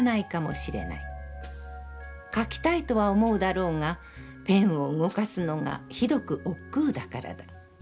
書きたいとは思うだろうが、ペンを動かすのがひどく億劫だからだ。